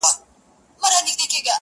اې ښكلي پاچا سومه چي ستا سومه ـ